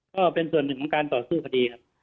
ก็เป็นส่วนหนึ่งของการต่อสู้คดีครับ